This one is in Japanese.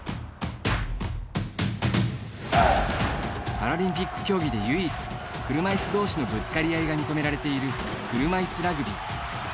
パラリンピック競技で唯一車いす同士のぶつかり合いが認められている、車いすラグビー。